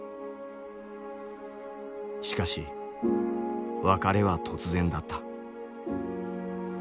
しかし別れは突然だった。